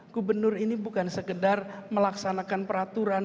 gubernur ini bukan sekedar melaksanakan peraturan